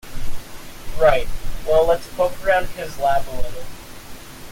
Right, well let's poke around his lab a little.